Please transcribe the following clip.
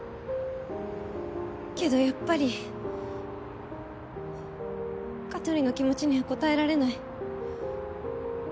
けどやっぱり香取の気持ちには応えられない。